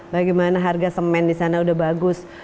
bagaimana harga semen di sana sudah bagus